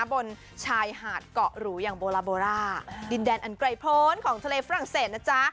บนชายหาดเกาะหรูอย่างโบลาโบร่าดินแดนอันไกลพ้นของทะเลฝรั่งเศสนะจ๊ะ